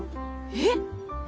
えっ！？